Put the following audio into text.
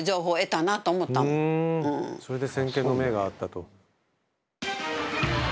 それで先見の明があったと。